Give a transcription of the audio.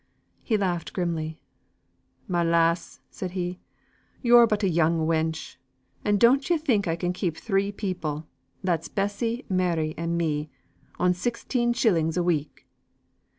He laughed grimly. "My lass," said he, "yo're but a young wench, but don't yo think I can keep three people that's Bessy, and Mary, and me on sixteen shillings a week?